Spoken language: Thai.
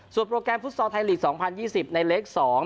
ส่วนโปรแกรมฟุตซอลไทยลีกส์๒๐๒๐ในเล็กส์๒